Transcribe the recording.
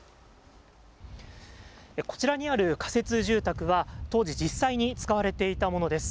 こちらにある仮設住宅は、当時、実際に使われていたものです。